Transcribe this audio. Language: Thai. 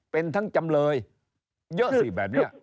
เป็นทั้งจำเลยเยอะสิแบบนี้